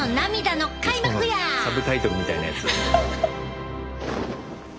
サブタイトルみたいなやつ。